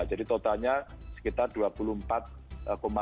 jadi totalnya sekitar dua puluh empat juta